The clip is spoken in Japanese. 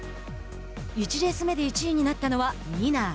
１レース目で１位になったのは、ニナー。